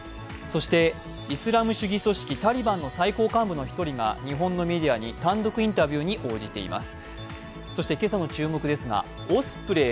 そしてイスラム主義組織タリバンの最高幹部の１人が日本のメディアに単独インタビューに応じています。